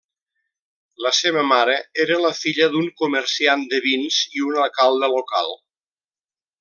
La seva mare era la filla d'un comerciant de vins i un alcalde local.